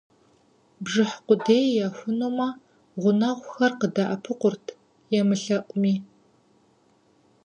Бжыхь къудей яхунумэ, гъунэгъухэр къыдэӀэпыкъурт, емылъэӀуми.